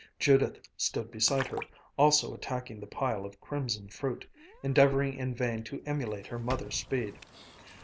Judith stood beside her, also attacking the pile of crimson fruit, endeavoring in vain to emulate her mother's speed.